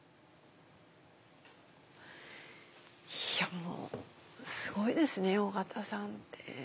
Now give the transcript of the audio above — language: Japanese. いやもうすごいですね緒方さんって。